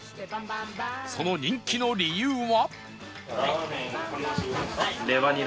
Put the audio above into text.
その人気の理由は？